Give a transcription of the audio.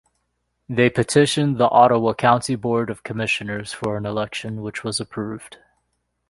They petitioned the Ottawa County Board of Commissioners for an election, which was approved.